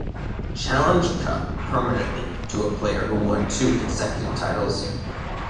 Challenge Cup permanently to a player who won two consecutive titles.